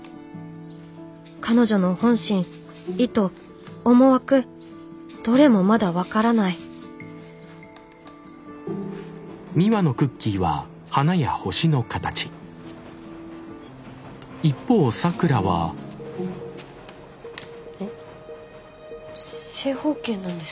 彼女の本心意図思惑どれもまだ分からないえっ正方形なんですか。